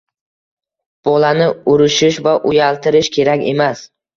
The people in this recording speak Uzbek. bolani urishish va uyaltirish kerak emas.